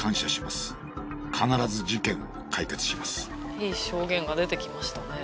いい証言が出てきましたね。